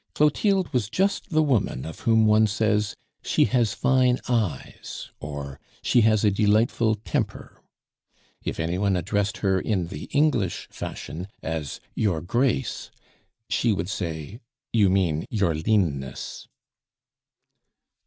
Clotilde was just the woman of whom one says, "She has fine eyes," or, "She has a delightful temper." If any one addressed her in the English fashion as "Your Grace," she would say, "You mean 'Your leanness.